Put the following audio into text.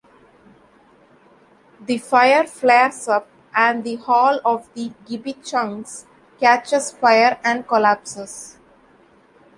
The fire flares up, and the hall of the Gibichungs catches fire and collapses.